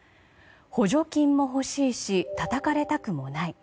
補助金も欲しいしたたかれたくもない。